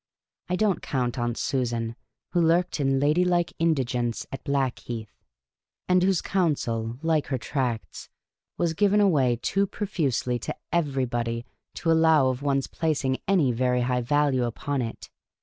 (I don't count Aunt Susan, who lurked in ladylike indigence at Black heath, and whose counsel, like her tracts, was given away too profusely to everybody to allow of one's placing any very high value upon it.)